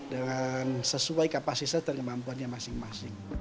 dengan sesuai kapasitas dan kemampuannya masing masing